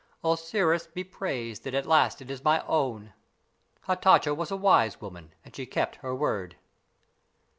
"Osiris be praised that at last it is my own! Hatatcha was a wise woman, and she kept her word."